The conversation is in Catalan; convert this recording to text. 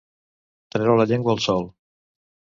Treure la llengua al sol.